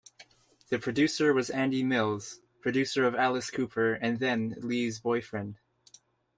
The producer was Andy Mills, producer of Alice Cooper and then Lee's boyfriend.